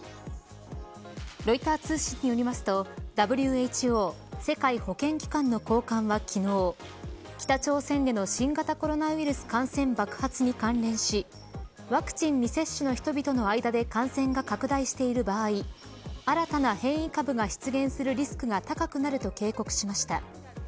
ロイター通信によりますとＷＨＯ世界保健機関の高官は昨日北朝鮮での新型コロナウイルス感染爆発に関連しワクチン未接種の人々の間で感染が拡大している場合新たな変異株が出現するリスクが高くなると警告しました。